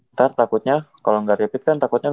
ntar takutnya kalau nggak rapid kan takutnya